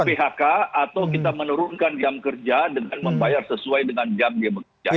phk atau kita menurunkan jam kerja dengan membayar sesuai dengan jam dia bekerja